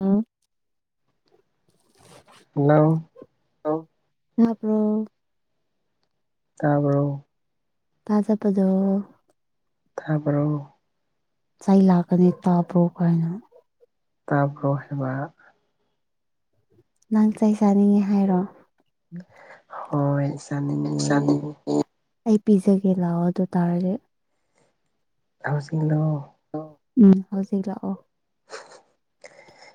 ꯎꯝ [unintelligible] hello ꯇꯕꯔꯣ ꯇꯥꯕꯔꯣ ꯇꯥꯗꯕꯗꯣ ꯇꯥꯕ꯭ꯔꯣ ꯆꯩ ꯂꯥꯛꯀꯅꯤ ꯇꯥꯕ꯭ꯔꯣ ꯀꯥꯏꯅ ꯇꯥꯕ꯭ꯔꯣ ꯍꯥꯏꯕ ꯅꯪ ꯆꯩ ꯆꯥꯅꯤꯡꯉꯦ ꯍꯥꯏꯔꯣ ꯍꯣꯏ ꯑꯩ ꯄꯤꯖꯒꯦ ꯂꯥꯛꯑꯣ ꯑꯗꯨ ꯇꯥꯔꯗꯤ ꯊꯥꯎꯁꯤꯡꯂꯣ ꯎꯝ ꯍꯧꯖꯤꯛ ꯂꯥꯛꯑꯣ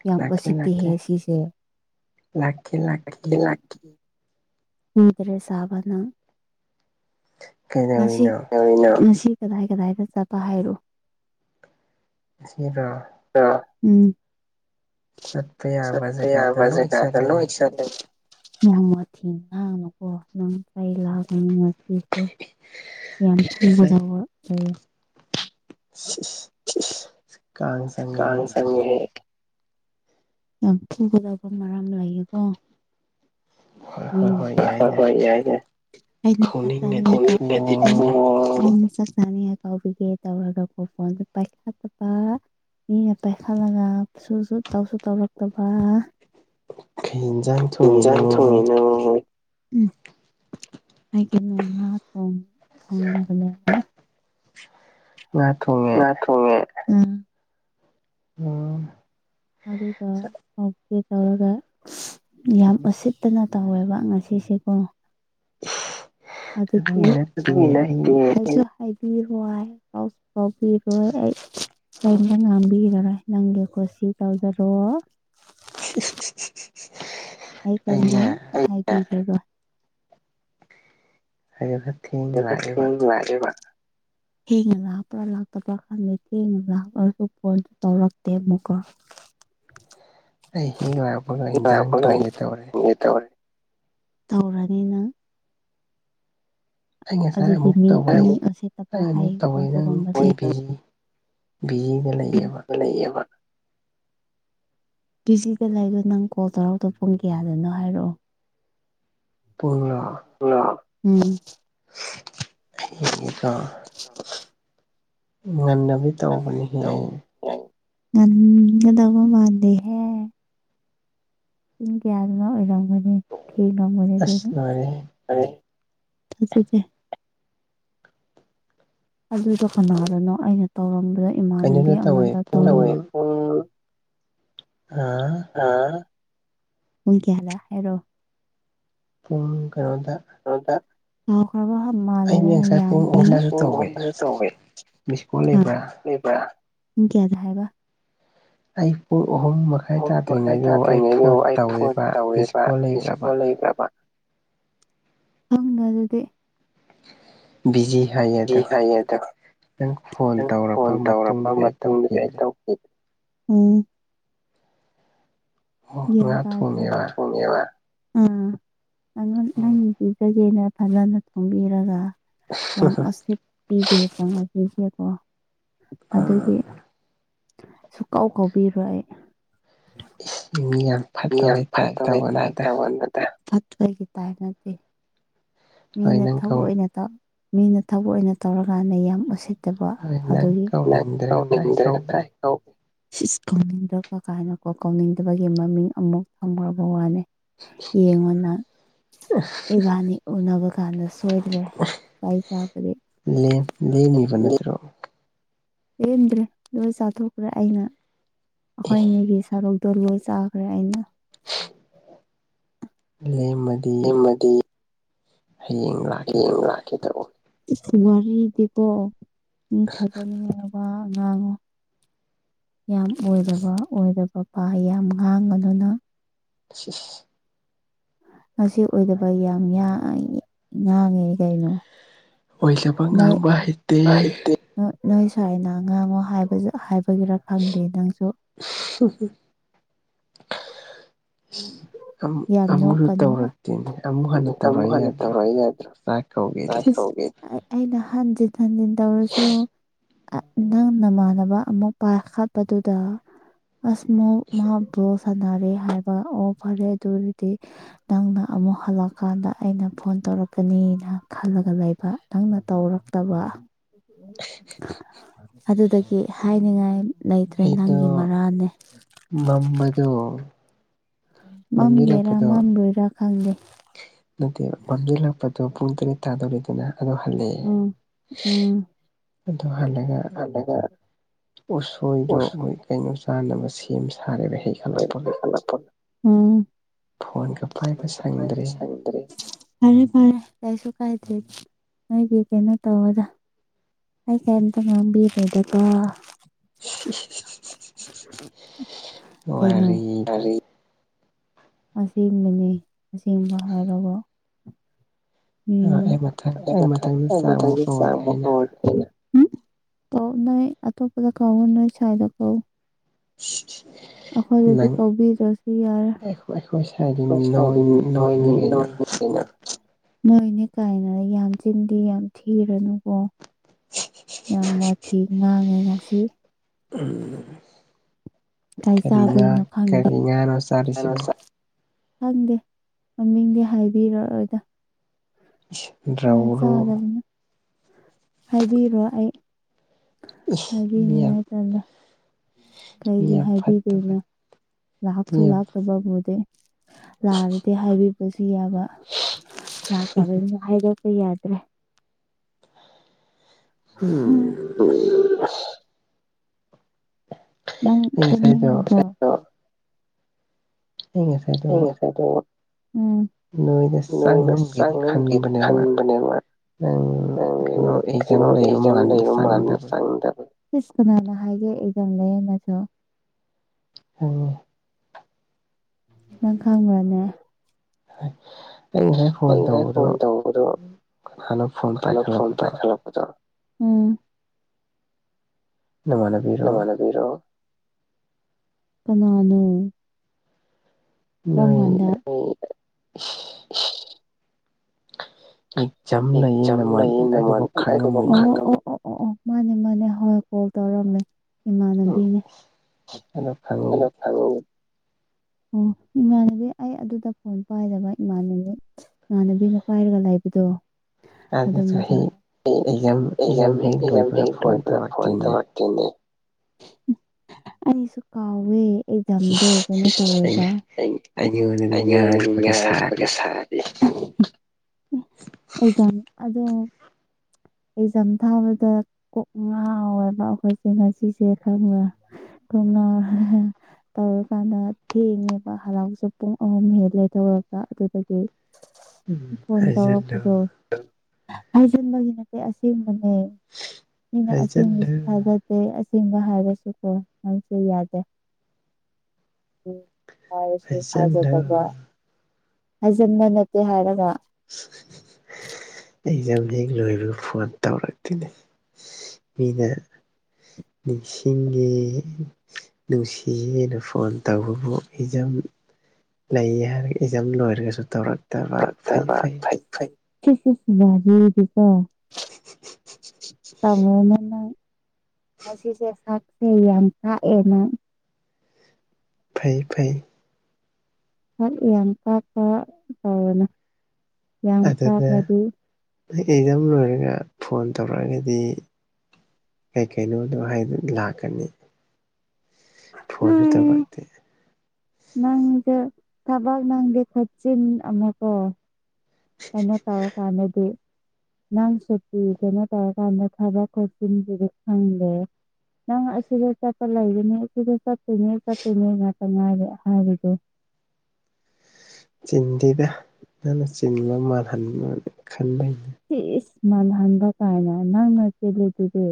ꯌꯥꯝ ꯎꯁꯤꯛꯇꯤ ꯍꯦ ꯁꯤꯁꯦ ꯉꯗ꯭ꯔꯦ ꯁꯥꯕꯅ ꯉꯁꯤ ꯉꯁꯤ ꯀꯗꯥꯏ ꯀꯗꯥꯏꯗ ꯆꯠꯄ ꯍꯥꯏꯔꯣ ꯉꯁꯤꯔꯣ ꯑ ꯎꯝ [unintelligible] ꯆꯠꯄ ꯌꯥꯕ ꯖꯒꯥꯗ ꯂꯣꯏ ꯆꯠꯂꯦ ꯌꯥꯝ ꯋꯥꯊꯤ ꯉꯥꯡꯅꯨꯀꯣ ꯅꯪ ꯑꯩ ꯂꯥꯛꯒꯅꯤ ꯉꯁꯦ ꯌꯥꯝ ꯐꯨꯒꯗꯧꯕ ꯂꯩꯌꯦ ꯏꯁ ꯏꯁꯤ ꯀꯥꯡ ꯆꯟꯒꯦꯍꯦ ꯆꯪꯉꯦꯍꯦ ꯌꯥꯝ ꯐꯨꯒꯗꯕ ꯃꯔꯝ ꯂꯩꯌꯦꯀꯣ ꯎ ꯍꯣꯏ ꯍꯣꯏ ꯌꯥꯏ ꯌꯥꯏ ꯆꯥꯛ ꯆꯥꯛ ꯍꯥꯏ [unintelligible] ꯀꯥꯎꯤꯒꯦ ꯇꯧꯔꯒꯀꯣ ꯐꯣꯟꯗ ꯄꯥꯏꯈꯥꯠꯇꯕ ꯃꯤꯅ ꯄꯥꯏꯈꯠꯂꯒ ꯁꯨ ꯇꯧꯁꯨ ꯇꯧꯔꯛꯇꯕ ꯀꯩ ꯌꯦꯟꯖꯥꯡ ꯖꯥꯡ ꯊꯣꯡꯅ ꯊꯣꯡ ꯊꯣꯡꯉꯝꯕ ꯂꯩ ꯉꯥ ꯊꯣꯡꯉꯦ [unintelligible] ꯑꯗꯨꯒ ꯑꯣꯀꯦ ꯇꯧꯔꯒ ꯌꯥꯝ ꯎꯁꯤꯠꯇꯅ ꯇꯧꯋꯦꯕ ꯉꯁꯤꯁꯤꯀꯣ ꯑꯗꯨꯗꯤ ꯅꯪꯒꯤ ꯅꯠꯇꯦ ꯀꯩꯁꯨ ꯍꯥꯏꯕꯤꯔꯣꯏ ꯐꯥꯎꯕꯤꯔꯣꯏ ꯑꯩ ꯀꯔꯤꯝꯇ ꯉꯥꯡꯕꯤꯔꯣꯏ ꯅꯪꯒꯤ ꯀꯨꯁꯤ ꯇꯧꯖꯔꯣ [inaudible] ꯑꯩ꯭ ꯀꯩꯅꯣ ꯍꯥꯕꯤꯔꯔꯣꯏ ꯍꯥꯏꯌꯣꯍꯦ ꯑꯦ ꯍ ꯊꯦꯡꯉꯥꯏꯔꯦꯕ ꯊꯦꯡꯅ ꯂꯥꯛꯄ꯭ꯔꯥ ꯂꯥꯛꯇꯕ꯭ꯔꯥ ꯈꯪꯗꯦ ꯊꯦꯡꯅ ꯂꯥꯛꯑꯁꯨ ꯐꯣꯟꯗꯨ ꯇꯧꯔꯛꯇꯦ ꯑꯃꯨꯛꯀꯣ [inaudible] ꯑꯩ ꯍꯦꯛ ꯂꯥꯛꯄꯒ ꯏꯟꯖꯥꯡ ꯊꯣꯡꯒꯦ ꯇꯧꯔꯦ ꯇꯧꯑꯦ ꯇꯧꯔꯅꯤꯅꯪ ꯑꯗꯨꯗꯤ ꯃꯤ ꯑꯅꯤ ꯑꯁꯦꯠꯇꯄ ꯍꯥꯏꯌꯦꯀꯣ ꯑꯗꯨꯒꯨꯝꯕꯁꯦ ꯕꯤꯖꯤꯗ ꯂꯩ ꯂꯩꯌꯦꯕ ꯄꯤꯖꯤꯗ ꯂꯩꯕ ꯅꯪ ꯀꯣꯜ ꯇꯧꯔꯛꯇꯣ ꯄꯨꯡ ꯀꯌꯥꯗꯅꯣ ꯍꯥꯏꯔꯛꯑꯣ ꯄꯨꯨꯡꯂꯣ ꯎꯝ ꯉꯟꯅ ꯅꯪꯒꯗꯕ ꯃꯥꯟꯗꯦꯍꯦ ꯄꯨꯡ ꯀꯌꯥꯗꯅꯣ ꯑꯣꯏꯔꯃꯅꯤ ꯊꯦꯡꯉꯝꯃꯅꯦ ꯑꯗꯨꯅ ꯊꯖꯥꯗꯦ ꯑꯗꯨꯗꯣ ꯀꯅꯥꯗꯅꯣ ꯑꯩꯅ ꯇꯧꯔꯝꯕꯗ ꯏꯃꯥꯟꯅꯕꯤ ꯑꯃꯗ ꯇꯧꯑꯦ ꯄꯨꯡ ꯑꯥ ꯑꯥ ꯄꯨꯡ ꯀꯌꯥꯗ ꯍꯥꯏꯔꯛꯑꯣ ꯄꯨꯡ ꯀꯩꯅꯣꯗ ꯇꯧꯗꯦ ꯀꯥꯎꯈꯔꯕ ꯃꯥꯜꯂꯦꯗꯅ ꯌꯥꯝ ꯉꯁꯥꯏ ꯄꯨꯡ ꯑꯍꯨꯝꯗꯁꯨ ꯇꯧꯑꯦ ꯄꯨꯡ ꯀꯌꯥꯗ ꯍꯥꯏꯕ ꯑꯩ ꯄꯨꯡ ꯑꯍꯨꯝ ꯃꯥ ꯑꯍꯨꯝ ꯃꯈꯥꯏ ꯇꯥꯗ꯭ꯔꯤꯉꯩꯗꯣ ꯑꯩ ꯐꯣꯟ ꯇꯧꯋꯦꯕ ꯃꯤꯏꯁꯀꯣꯜ ꯂꯩꯕ꯭ꯔꯕ ꯅꯪꯅ ꯑꯗꯨꯗꯤ ꯕꯤꯖꯤ ꯍꯥꯏꯌꯦ ꯍꯥꯏꯌꯦꯗꯣ ꯅꯪ ꯐꯣꯟ ꯇꯧꯔꯛꯄ ꯃꯇꯨꯡꯗꯤ ꯑꯩ ꯇꯧꯈꯤꯗ꯭ꯔꯦ ꯎꯝ ꯒꯌꯥꯟꯇꯗꯔꯦ ꯑꯥ ꯅꯪ ꯅꯪꯒꯤ ꯄꯤꯖꯒꯦꯅ ꯐꯖꯅ ꯊꯣꯡꯕꯤꯔꯒ ꯌꯥꯝ ꯎꯁꯤꯠ ꯄꯤꯒꯦꯀꯣꯁꯦꯀꯣ ꯑꯗꯨꯒꯤ ꯁꯨꯀꯥꯎ ꯀꯥꯎꯕꯤꯔꯣꯏ ꯑꯩ ꯏꯪꯉꯦ ꯌꯥꯝ ꯐꯠꯇꯕꯩ ꯇꯥꯏꯞ ꯇꯧꯕꯥꯟꯅꯤꯗ ꯐꯠꯇꯕꯩ ꯇꯥꯏꯞ ꯅꯠꯇꯦ ꯃꯤꯅ ꯊꯕꯛ ꯑꯣꯏꯅ ꯃꯤꯅ ꯊꯕꯛ ꯑꯣꯏꯅ ꯇꯧꯔꯀꯥꯟꯗ ꯌꯥꯝ ꯎꯁꯤꯠ ꯑꯗꯨꯒꯤ ꯁꯤꯁ ꯀꯧꯅꯤꯡꯗꯕ ꯀꯥꯏꯅꯀꯣ ꯀꯧꯅꯤꯡꯗꯕꯒꯤ ꯃꯃꯤꯡ ꯑꯃꯨꯛ ꯊꯝꯃꯨꯔꯕ ꯋꯥꯅꯤ ꯌꯦꯡꯉꯨꯅ ꯏꯕꯥꯅꯤ ꯎꯅꯕ ꯀꯥꯟꯗ ꯁꯣꯏꯗ꯭ꯔꯦ ꯋꯥꯏ ꯆꯥꯕꯗꯤ [inaudible] ꯂꯦꯝꯗ꯭ꯔꯦ ꯂꯣꯏ ꯆꯥꯊꯣꯛꯈ꯭ꯔꯦ ꯑꯩꯅ ꯑꯩꯈꯣꯏꯅꯤꯒꯤ ꯁꯔꯨꯛ ꯇꯂꯣꯏ ꯆꯥꯈ꯭ꯔꯦ ꯑꯩꯅ ꯂꯦꯝꯃꯗꯤ ꯍꯌꯦꯡ ꯂꯥꯛ ꯗ ꯋꯥꯔꯤ ꯗꯕꯣ ꯃꯤ ꯊꯖ ꯋꯥ ꯑꯉꯥꯡ ꯌꯥꯝ ꯑꯣꯏꯗꯕ ꯑꯣꯏꯗꯕ ꯄ ꯌꯥꯝ ꯉꯥꯡꯉꯗꯨꯅ ꯑ ꯉꯁꯤ ꯑꯣꯏꯗꯕ ꯌꯥꯝ ꯉꯥꯡꯉꯦ ꯀꯩꯅꯣ ꯑꯣꯏꯖꯕ ꯉꯥꯡꯕ ꯍꯩꯇꯦ꯫ ꯅꯣꯏ ꯁ꯭ꯋꯥꯏꯅ ꯉꯥꯡꯉꯣꯕ ꯍꯥꯏꯕꯒꯤꯔ ꯈꯪꯗꯦ ꯅꯪꯁꯨ꯫ [unintelligible] ꯑꯃꯨꯁꯨ ꯇꯧꯔꯛꯇꯦꯅꯦ ꯑꯃꯨꯛ ꯍꯟꯅ ꯇꯧꯔꯛ ꯌꯥꯗ꯭ꯔꯣ ꯆꯥꯛ ꯀꯧꯒꯦꯗꯤ꯫ ꯑꯩꯅ ꯍꯟꯖꯤꯟ ꯍꯟꯖꯤꯟ ꯇꯧꯔꯁꯨ ꯅꯪ ꯅꯃꯥꯟꯅꯕ ꯑꯃꯨꯛ ꯄꯥꯏꯈꯠꯄꯗꯨꯗ ꯑꯁꯃꯣ ꯃꯍꯥꯛꯕꯨ ꯁꯥꯟꯅꯔꯦ ꯍꯥꯏꯕ ꯑꯣ ꯐꯔꯦ ꯑꯗꯨꯗꯤ ꯅꯪꯅ ꯑꯃꯨꯛ ꯍꯜꯂꯛꯀꯥꯟꯗ ꯑꯩꯅ ꯐꯣꯟ ꯇꯧꯔꯛꯀꯅꯤꯅ ꯈꯜꯂꯒ ꯂꯩꯕ ꯅꯪꯅ ꯇꯧꯔꯛꯇꯕ ꯑꯗꯨꯗꯒꯤ ꯍꯥꯏꯅꯤꯡꯉꯥꯏ ꯂꯩꯇ꯭ꯔꯦ ꯅꯪꯒꯤ ꯃꯔꯥꯅꯦ꯫ ꯃꯝꯕꯗꯨ ꯃꯥꯝꯒꯦꯔꯥ ꯃꯥꯝ ꯂꯣꯏꯔꯥ ꯈꯪꯗꯦ꯫ ꯅꯠꯇꯦ ꯃꯝꯖꯤꯜꯂꯥꯛꯄꯗꯣ ꯄꯨꯡ ꯇꯔꯦꯠ ꯇꯥꯗꯧꯔꯤꯗꯅ꯫ ꯑꯗꯨ ꯍꯜꯂꯛꯑꯦ ꯑꯗꯨ ꯍꯜꯂꯒ ꯎꯁꯣꯏꯗꯣ ꯑꯩꯣꯏ ꯀꯩꯅꯣ ꯆꯥꯅꯕ ꯁꯦꯝ ꯁꯥꯔ ꯍꯦꯛ ꯅꯥꯏꯗ꯭ꯔꯦ [unintelligible] ꯐꯔꯦ ꯐꯔꯦ ꯀꯔꯤꯁꯨ ꯀꯥꯏꯗꯦ ꯅꯣꯏꯒꯤ ꯀꯩꯅꯣ ꯇꯧꯔꯗ ꯑꯩ ꯀꯥꯏꯝꯇ ꯉꯕꯤꯔꯗ ꯀꯣ [unintelligible] ꯋꯥꯔꯤꯔꯤꯗꯤ꯫ ꯑꯁꯦꯡꯕꯅꯤ ꯑꯁꯦꯡꯕ ꯍꯥꯏꯔꯒ ꯎꯝ ꯃꯊ ꯃꯊꯒꯤ ꯆ ꯎ ꯀꯧ ꯅꯣꯏ ꯑꯇꯣꯞꯄꯗ ꯀꯧ ꯅꯣꯏ ꯁꯥꯏꯗ ꯀꯧ [inaudible] ꯑꯩꯈꯣꯏꯗꯗꯤ ꯀꯧꯕꯤꯗ꯭ꯔꯁꯨ ꯌꯥꯔꯦ꯫ [unintelligible] ꯅꯣꯏꯅꯦ ꯀꯥꯏꯅ ꯌꯥꯝ ꯆꯤꯟꯗꯤ ꯌꯥꯝ ꯊꯤꯔꯅꯨꯕꯣ ꯌꯥꯝ ꯃꯊꯤ ꯉꯥꯡꯉꯦ ꯉꯁꯤ꯫ ꯎꯝ ꯀꯥꯏ ꯆꯥꯕꯅꯣ ꯈꯪꯗꯦ꯫ ꯈꯪꯗꯦ ꯃꯃꯤꯡꯗꯤ ꯍꯥꯏꯕꯤꯔꯛꯑꯣꯏꯗ꯫ [inaudible] ꯣꯏ ꯆꯥꯗꯕꯅ ꯍꯥꯏꯕꯤꯔꯣ ꯑꯩ ꯍꯥꯏꯕꯤꯅꯤꯅꯨꯡꯥꯏ ꯇꯥ ꯀꯩꯒꯤ ꯍꯥꯏꯕꯤꯗꯣꯏꯅꯣ ꯂꯥꯛꯁꯨ ꯂꯥꯛꯇꯕꯕꯨꯗꯤ꯫ ꯂꯥꯑꯒꯗꯤ ꯍꯥꯏꯕꯤꯕꯁꯨ ꯌꯥꯕ ꯂꯥꯛꯇꯕꯅꯤꯅ ꯍꯥꯏꯗꯣꯛꯄ ꯌꯥꯗ꯭ꯔꯦ꯫ ꯎꯝ ꯅꯪ ꯐꯅꯅꯀꯣ [unintelligible] ꯍ ꯐꯦꯗꯣ ꯎꯝ ꯅꯣꯏꯅ ꯆꯪꯉꯝꯒꯦꯗꯤ ꯈꯟꯕꯅꯦ ꯃꯥ ꯎ ꯀꯩꯅꯣ ꯑꯩ ꯀꯝ ꯂꯩꯔ ꯃꯥꯅ ꯆꯪꯗꯕ ꯐꯤꯁ ꯀꯅꯥꯅ ꯍꯥꯏꯒꯦ ꯑꯦꯗꯝ ꯂꯩꯅꯁꯨ [unintelligible] ꯅꯪ ꯈꯪꯕ꯭ꯔꯅꯦ꯫ ꯑꯩ ꯉꯁꯥꯏ ꯐꯣꯟ ꯇꯧꯕꯗꯣ ꯀꯅꯥꯅꯣ ꯐꯣꯟ ꯄꯥꯏꯈꯠꯂꯛꯄꯗꯣ꯫ ꯎꯝ ꯅꯃꯅ ꯅꯃꯅꯕꯤꯔꯣ ꯎꯝ ꯀꯝꯀꯟꯗ [inaudible] ꯄ‌ꯣꯛ ꯆꯥꯃꯤꯟ [unintelligible] ꯃꯥꯅꯦ ꯃꯥꯅꯦ ꯍꯣꯏ ꯀꯣꯜ ꯇꯧꯔꯝꯃꯦ ꯏꯃꯥꯟꯅꯕꯤꯅꯦ ꯑꯗ‌ꯣ ꯐꯩ ꯑꯗꯨ ꯐꯩ ꯑꯣ ꯏꯃꯥꯟꯅꯕꯤ ꯑꯩ ꯑꯗꯨꯗ ꯐꯣꯟ ꯄꯥꯏꯔꯕ ꯏꯃꯥꯟꯅꯕꯤ ꯏꯃꯥꯟꯅꯕꯤꯅ ꯄꯥꯏꯔꯒ ꯂꯥꯏꯕꯗꯣ ꯑꯗꯣ [unintelligible] ꯑꯩ ꯑꯦꯖꯥꯝ ꯍꯦꯛ ꯑ‌ꯦꯖꯥꯝ ꯍ‌ꯦꯛ ꯂꯣꯏꯕꯗ ꯐꯣꯟ ꯇꯧꯔꯛ [unintelligible] ꯑꯩꯁꯨ ꯀꯥꯎꯋꯦ ꯑꯦꯛꯖꯝꯗꯣ ꯀꯩꯅꯣ ꯇꯧꯌ‌ꯦꯕ ꯑꯩ ꯑꯩꯒꯤ ꯑꯣꯏꯅꯗꯤ [unintelligible] ꯑꯦꯖꯝ ꯑꯗꯣ ꯑꯦꯛꯖꯥꯝ ꯊꯥꯕꯗ ꯀꯣꯛ ꯉꯥꯎꯔꯕ ꯑꯩꯈꯣꯏꯁꯦ ꯉꯁꯤꯁꯦ ꯈꯪꯕ꯭ꯔ ꯀꯣꯛ ꯉꯧꯎ ꯇꯧꯔꯀꯥꯟꯗ ꯊꯦꯡꯉꯦꯕ ꯍꯂꯛ ꯄꯁꯨ ꯄꯨꯡ ꯑꯍꯨꯝ ꯍꯦꯜꯂꯦ ꯇꯧꯔꯒ ꯑꯗꯨꯗꯒꯤ ꯐꯣꯟ ꯇꯧꯔꯛꯄꯗꯣ ꯍꯥꯏꯖꯤꯟꯕꯒꯤ ꯅꯠꯇꯦ ꯑꯁꯦꯡꯕꯅꯦ ꯃꯤꯅ ꯑꯁꯦꯡꯕꯁꯨ ꯊꯥꯖꯗꯦ ꯗ‌ꯦ ꯑꯁꯦꯡꯕ ꯍꯥꯏꯔꯁꯨ ꯀ‌ꯣ ꯅꯪꯁ‌ꯦꯌꯥꯗꯦ ꯍꯥꯏꯔꯁꯨ ꯊꯥꯖꯗꯕ ꯍꯥꯏꯖꯟꯕ ꯅꯠꯇꯦ ꯍꯥꯏꯔꯒ ꯑꯦꯛꯖꯝ ꯍꯦꯛ ꯂꯣꯕꯒ ꯐꯣꯟ ꯇꯧꯔꯛ ꯇ‌ꯣꯏꯅꯦ ꯃꯤꯅ ꯅꯤꯡꯁꯤꯡꯉ‌ꯦ ꯅꯨꯡꯁꯤꯌꯦꯅ ꯐꯣꯟ ꯇꯧꯕꯕꯨ ꯑꯛꯖꯝ ꯂꯩ ꯍꯥꯏꯔ ꯑꯦꯛꯖꯝ ꯂꯣꯏꯔꯒꯁꯨ ꯇꯧꯔꯛꯇꯕ ꯇꯧꯔꯛꯇꯕ ꯐꯩ ꯐꯩ ꯋꯔꯤꯗꯤꯀꯣ ꯇꯥꯃ‌ꯣꯅ ꯅꯪ ꯉꯁꯤꯁꯦ ꯁꯥꯛꯁꯦ ꯌꯥꯝ ꯀꯥꯛꯑꯦ ꯅꯪ ꯐꯩ ꯐꯩ ꯁꯛ ꯌꯥꯝ ꯀꯛꯄ ꯇꯧꯒꯅ‌ꯣ ꯑꯗꯨꯗ ꯑꯩ ꯑ‌ꯦꯛꯖꯝ ꯂꯣꯏꯔꯒ ꯐꯣꯟ ꯇꯧꯔꯛꯑꯒꯗꯤ ꯀꯩ ꯀꯩꯅꯣꯗꯣ ꯍꯥꯏꯗꯅ ꯂꯥꯛꯀꯅꯤ ꯐꯣꯟꯁꯨ ꯇꯧꯔꯛ ꯇ‌ꯦ ꯅꯪꯁ‌ꯦ ꯊꯕꯛ ꯅꯪꯖ‌ꯦ ꯈꯨꯆꯤꯟ ꯑꯃ ꯀꯣ ꯀꯩꯅꯣ ꯇꯧꯔ ꯀꯥꯟꯗꯗꯤ ꯅꯪ ꯁꯨꯇꯤ ꯀꯩꯅꯣ ꯇꯧꯔ ꯀꯥꯟꯗ ꯊꯕꯛ ꯈꯨꯆꯤꯟꯖꯤꯗꯤ ꯈꯪꯗ‌ꯦ ꯅꯪ ꯑꯁꯤꯗ ꯆꯠꯄ ꯂꯩꯒꯅꯤ ꯑꯁꯤꯗ ꯆꯠꯇꯣꯏꯅꯦ ꯆꯠꯇꯣꯏꯅꯦ ꯉꯥꯛꯇ ꯉꯥꯏꯔꯦ ꯍꯥꯏꯔꯤꯗꯣ ꯆꯤꯟꯗꯤꯗ ꯅꯪꯅ ꯆꯤꯟꯕ ꯃꯥꯜꯍꯟꯅ ꯈꯟꯕꯩꯅꯦ ꯏꯁ ꯃꯥꯜꯍꯟꯕ ꯀꯥꯏꯅ ꯅꯪꯅ ꯆꯦꯜꯂꯤꯗꯨꯗꯤ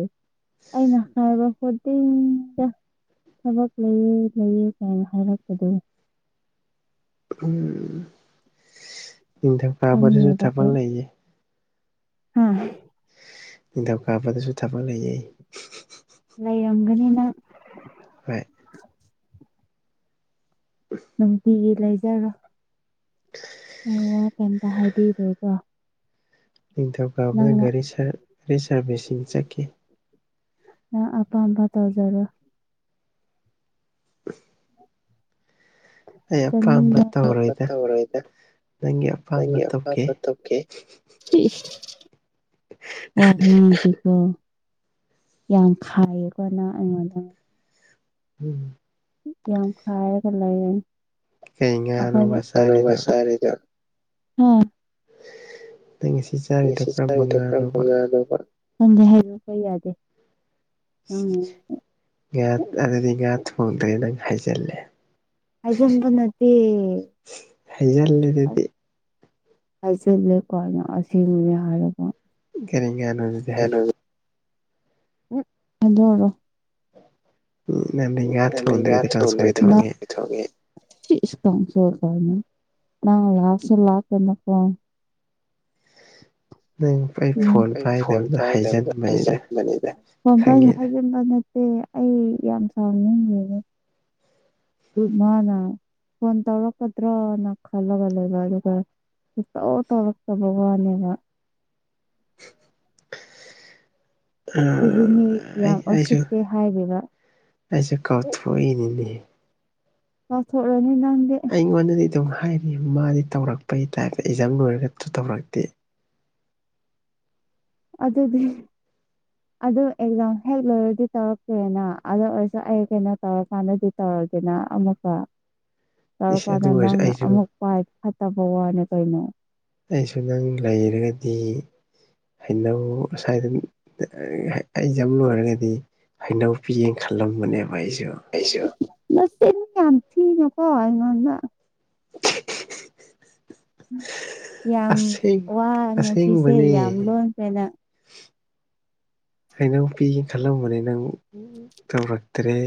ꯑꯩꯅ ꯍꯥꯏꯔ‌ꯦ ꯈꯨꯗꯤꯡꯗ ꯊꯕꯛ ꯂꯩꯌꯦ ꯂꯩꯌꯦ ꯀꯥꯏꯅ ꯍꯥꯏꯔꯛꯄꯗꯨ ꯎꯝ ꯅꯤꯡꯊꯧ ꯀꯥꯕꯗꯁꯨ ꯊꯕꯛ ꯂꯩꯌꯦ ꯍꯥ ꯅꯤꯡꯊꯧ ꯀꯥꯕ ꯗꯁꯨ ꯊꯕꯛ ꯂꯩꯑꯦ ꯂꯩꯔꯝꯒ ꯅꯤ ꯅꯪ ꯍꯣꯏ ꯅꯨꯡꯇꯤꯒꯤ ꯂꯩꯖꯔꯣ ꯑꯩ ꯋꯥ ꯀꯩꯝꯇ ꯍꯥꯏꯕꯤꯔꯣꯏ ꯕ ꯅꯤꯡꯊꯧꯀꯥꯕꯅ ꯒꯥꯔꯤ ꯁꯥꯔ ꯒꯥꯔꯤ ꯁꯥꯔꯚꯤꯁꯁꯤꯡ ꯆꯠꯛ‌ꯦ ꯅꯪ ꯑꯄꯥꯝꯕ ꯇꯧꯖꯔꯣ ꯆꯠꯅꯤꯡꯕ ꯑꯩ ꯑꯄꯥꯝ ꯕ ꯇꯧꯔ‌ꯣꯏꯗ ꯅꯪꯒꯤ ꯑꯄꯥꯝꯕ ꯇꯧꯒ‌ꯦ ꯏꯁ ꯋꯥꯔꯤꯗꯤ ꯀ‌ꯣ ꯌꯥꯝ ꯈꯥꯏꯌꯦꯀꯣ ꯅꯪ ꯑꯩꯉꯣꯟꯗ [inaudible] ꯌꯥꯝ ꯈꯥꯏꯔꯒ ꯂꯩꯌꯦꯦꯈꯣꯏ ꯑꯣ ꯊꯦꯡ ꯁꯤ ꯁꯤ ꯆꯅꯤ ꯇ꯭ꯔꯅ ꯈꯪꯗꯦ ꯍꯥꯏꯔ ꯀ ꯌꯥꯗꯦ ꯎꯝ ꯉꯥ ꯑꯗꯨꯗꯤ ꯉꯥ ꯊꯣꯡꯗ꯭ꯔꯦ ꯅꯪ ꯍꯥꯏꯖꯤꯜꯂꯦ ꯑꯖꯟ ꯄꯠꯇ ꯍꯩꯖꯜꯂꯦ ꯑꯗꯨꯗꯤ ꯍꯥꯏꯁꯤꯜꯂꯦꯀꯣ ꯑꯅ ꯑꯁꯤꯕꯅꯦ ꯍꯥꯏꯔꯕ ꯔꯤ ꯒꯥꯔꯁꯨ ꯗꯔꯣ ꯎꯝ ꯑꯗꯨ ꯑꯣꯏꯔꯣ ꯎ ꯌꯥ ꯇꯦꯦ ꯀꯥ ꯅ ꯌꯥꯔꯁꯨ ꯂꯥꯛ ꯀꯟꯅꯄ ꯎ ꯎꯝ ꯐꯣꯟ ꯄꯥꯏꯗꯕꯖꯟꯕꯅꯤꯗ ꯈꯕ ꯅꯠꯇꯦ ꯑꯩ ꯌꯥꯝ ꯆꯥꯎꯅꯤꯡꯉꯦ ꯃꯥꯅ ꯐꯣꯟ ꯇꯧꯔꯛꯀꯗ꯭ꯔꯣꯅ ꯈꯜꯂꯒ ꯂꯩꯕ ꯑꯗꯨꯒ ꯁ ꯇꯧ ꯇꯧꯔꯛꯇ ꯒꯋꯥꯅꯦꯒ [inaudible] ꯑꯩ ꯑꯩꯁꯨ ꯑꯩꯁꯨ ꯀꯥꯎꯊꯣꯛꯏꯅꯤꯅꯦ ꯑꯁ ꯊꯔꯅꯤ ꯂꯗꯦ ꯑꯩꯉꯣꯟꯗꯗꯤ ꯑꯗꯨꯝ ꯍꯥꯏꯔꯤ ꯃꯥꯗꯤ ꯇꯧꯔꯛꯄꯒꯤ ꯇꯥꯏꯞꯇ ꯑꯦꯛꯖꯥꯝ ꯂꯣꯏꯔꯒ ꯇꯧꯔꯛꯇꯦ ꯑꯗꯨꯗꯤ ꯑꯗꯨ ꯑꯦꯛꯖꯥꯝ ꯍꯦꯛ ꯂꯣꯏꯔꯗꯤ ꯇꯧꯔꯛꯇ꯭ꯔꯦꯅ ꯑꯗꯨ ꯑꯣꯏꯔꯁꯨ ꯑꯩ ꯀꯩꯅꯣ ꯇꯧꯔꯀꯥꯟꯗꯗꯤ ꯇꯧꯔꯒꯅ ꯑꯃꯨꯛꯀ ꯇꯧꯔꯀꯥꯟꯗ ꯅꯪꯅ ꯑꯃꯨꯛ ꯋꯥꯏ ꯐꯠꯇꯕ ꯋꯥꯅꯦ ꯀꯩꯅꯣ ꯑꯩꯁꯨ ꯅꯪ ꯂꯩꯔꯒꯗꯤ ꯍꯩꯅꯧ ꯑꯁ꯭ꯋꯥꯏꯗ ꯍꯩꯖꯕ ꯂꯣꯏꯔꯒꯗꯤ ꯍꯩꯅꯧ ꯄꯤꯌꯦꯡ ꯈꯜꯂꯝꯕꯅꯦꯕ ꯑꯩꯁꯨ ꯁꯃꯤ ꯌꯥꯝ ꯊ ꯅꯀꯃꯅ ꯌꯥꯝ ꯋꯥ ꯉꯅꯨꯡꯁꯤꯁꯦ ꯌꯥꯝ ꯂꯣꯟꯈ꯭ꯔꯦꯅ ꯍꯩꯅꯧꯄꯤꯒꯤ ꯈꯜꯂꯝꯕꯅꯦ ꯅꯪ ꯇꯧꯔꯛꯇ꯭ꯔꯦ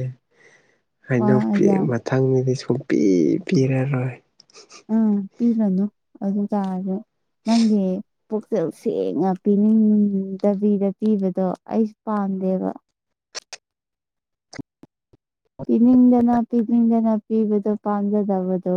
ꯍꯥꯏꯅꯧ ꯃꯊꯪꯅꯤꯗꯤ ꯁꯣ ꯄ ꯄꯔꯔꯣꯏ ꯑꯝ ꯄꯤꯔꯅ ꯑꯗꯨ ꯇꯔꯦ ꯅꯪꯦ ꯄꯨꯛꯆꯦꯜ ꯁꯦꯡꯅ ꯄꯤꯅꯤꯡꯗꯕꯤꯗ ꯄꯤꯕꯗꯣ ꯑꯩꯁꯨ ꯄꯥꯝꯗꯦꯕ ꯄꯤꯅꯤꯡꯅꯤꯡꯗꯅ ꯄꯤꯅꯤꯡꯅꯤꯡꯗꯅ ꯄꯤꯕꯗꯣ ꯄꯥꯝꯖꯗꯕꯗꯣ